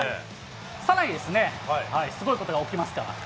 さらに、すごいことが起きますから。